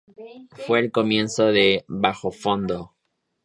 Fue el comienzo de "Bajofondo".